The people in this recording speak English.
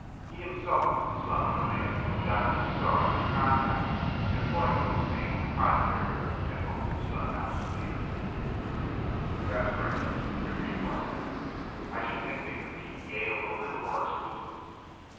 He himself was the son of a man who had gotten his start as a contractor, employing those same "hod carriers" at whom the son now sneered. "That's right," agreed Weston. "I should think they could keep Yale a little more exclusive."